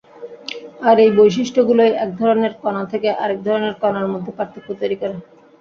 আর এই বৈশিষ্ট্যগুলোই এক ধরনের কণা থেকে আরেক ধরনের কণার মধ্যে পার্থক্য তৈরি করে।